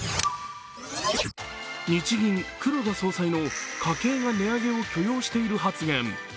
日銀の黒田総裁の、家計が値上げを許容している発言。